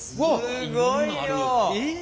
すごい量！